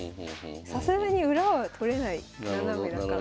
さすがに裏は取れないナナメだから。